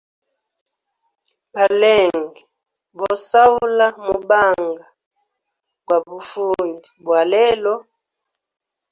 Balenge bo sahula mubanga gwa bufundi bwa lelo.